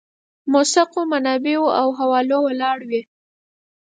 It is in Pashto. موثقو منابعو او حوالو ولاړ وي.